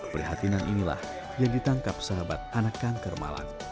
perhatian inilah yang ditangkap sahabat anak kanker malang